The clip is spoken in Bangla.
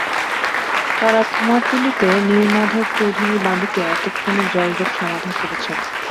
তাঁরা কুমারটুলিতে নীলমাধব চৌধুরীর বাড়িতে এতক্ষণে জলযোগ সমাধা করছেন।